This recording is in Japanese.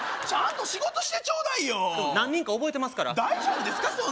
ちゃんと仕事してちょうだいよでも何人か覚えてますから大丈夫ですか？